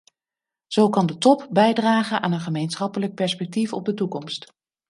Zo kan de top bijdragen aan een gemeenschappelijk perspectief op de toekomst.